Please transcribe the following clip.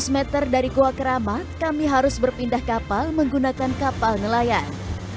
lima ratus meter dari goa keramat kami harus berpindah kapal menggunakan kapal nelayan